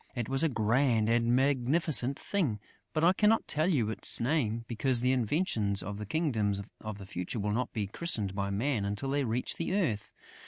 It was a grand and magnificent thing, but I cannot tell you its name, because the inventions of the Kingdom of the Future will not be christened by Man until they reach the earth.